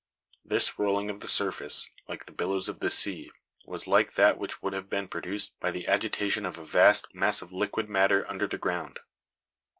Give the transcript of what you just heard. This rolling of the surface, like the billows of the sea, was like that which would have been produced by the agitation of a vast mass of liquid matter under the ground.